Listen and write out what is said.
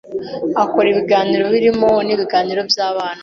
akora ibiganiro birimo n’ ibiganiro by’ abana.